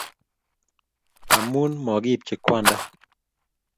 Amu magi-ipchi Kwanda